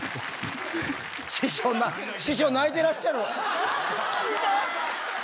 師匠師匠泣いてらっしゃる！